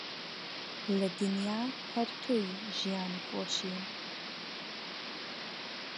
لە دنیا هەر تۆی ژیان و خۆشیم